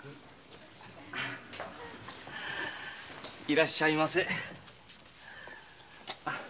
いらっしゃいませ。